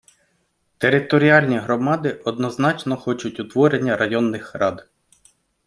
Територіальні громади однозначно хочуть утворення районних рад.